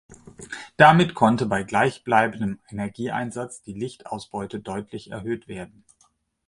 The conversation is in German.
Damit konnte bei gleichbleibendem Energieeinsatz die Lichtausbeute deutlich erhöht werden.